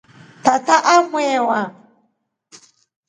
Tatu aa mwehewa.